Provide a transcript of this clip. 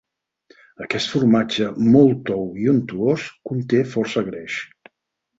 Aquest formatge, molt tou i untuós, conté força greix.